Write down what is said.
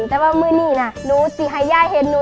แต่ว่ามื้อนี้หนูจะให้ยายเห็นนู